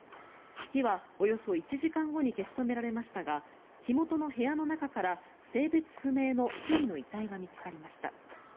火はおよそ１時間後に消し止められましたが火元の部屋の中から性別不明の１人の遺体が見つかりました。